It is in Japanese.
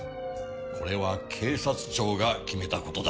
これは警察庁が決めたことだ。